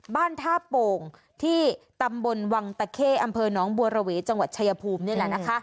บ้านท่าโป่งที่ตำบลวังตะเข้อำเภอน้องบัวระเวจังหวัดชายภูมินี่แหละนะคะ